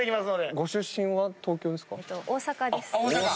ご出身は東京ですか？